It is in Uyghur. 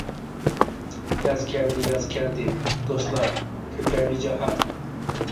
ياز كەلدى ياز كەلدى دوستلار، كۆكەردى جاھان.